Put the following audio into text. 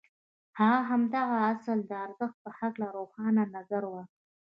هغه د همدغه اصل د ارزښت په هکله روښانه نظر ورکړ.